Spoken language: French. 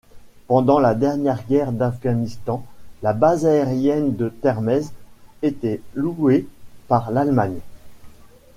Pendant la dernière guerre d'Afghanistan, la base aérienne de Termez était louée par l'Allemagne.